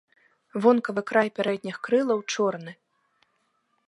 Вонкавы край пярэдніх крылаў чорны.